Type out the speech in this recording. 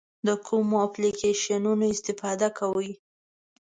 د کومو اپلیکیشنونو استفاده کوئ؟